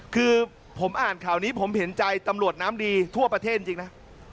คือผมอ่านข่าวนี้ผมเห็นใจตำรวจน้ำดีทั่วประเทศจริงนะ